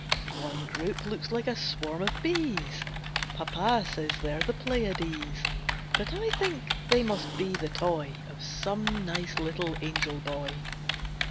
One group looks like a swarm of bees, Papa says they're the Pleiades; But I think they must be the toy Of some nice little angel boy.